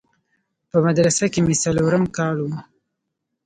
په مدرسه کښې مې څلورم کال و.